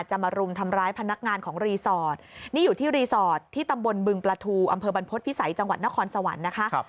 มารุมทำร้ายพนักงานของรีสอร์ทนี่อยู่ที่รีสอร์ทที่ตำบลบึงปลาทูอำเภอบรรพฤษภิษัยจังหวัดนครสวรรค์นะคะ